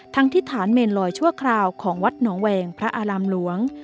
ที่ฐานเมนลอยชั่วคราวของวัดหนองแวงพระอารามหลวง